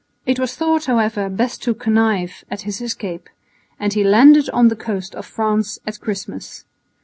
It was thought, however, best to connive at his escape, and he landed on the coast of France at Christmas.